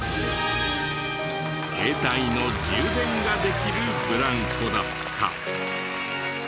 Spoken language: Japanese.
携帯の充電ができるブランコだった。